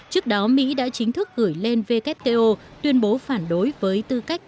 trước đó mỹ đã chính thức gửi lên wto tuyên bố phản đối với tư cách